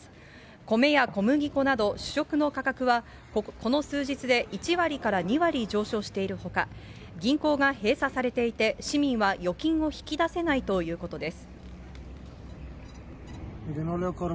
米や小麦粉など主食の価格は、この数日で１割から２割上昇しているほか、銀行が閉鎖されていて、市民は預金を引き出せないということです。